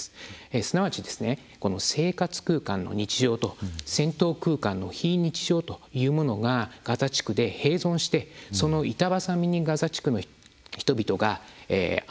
すなわち生活空間の日常と戦闘空間の非日常というものがガザ地区で並存してその板挟みにガザ地区の人々があっていると。